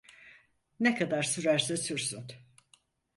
Ne kadar sürerse sürsün.